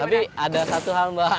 tapi ada satu hal mbak